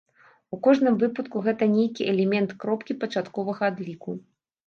У кожным выпадку, гэта нейкі элемент кропкі пачатковага адліку.